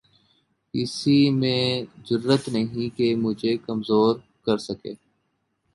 کسی میں جرات نہیں کہ مجھے کمزور کر سکے